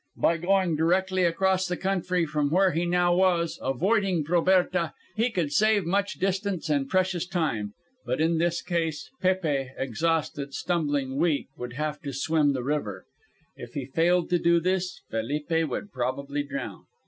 By going directly across the country from where he now was, avoiding Proberta, he could save much distance and precious time. But in this case Pépe, exhausted, stumbling, weak, would have to swim the river. If he failed to do this Felipe would probably drown.